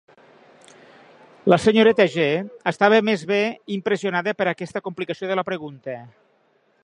La senyoreta G. estava més bé impressionada per aquesta complicació de la pregunta.